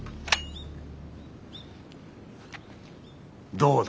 どうだ？